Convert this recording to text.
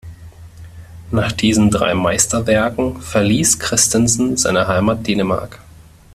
Nach diesen drei Meisterwerken verließ Christensen seine Heimat Dänemark.